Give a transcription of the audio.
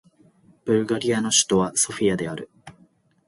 ブルガリアの首都はソフィアである